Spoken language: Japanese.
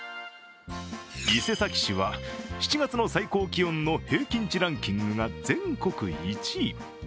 伊勢崎市は７月の最高気温の平均値ランキングが全国１位。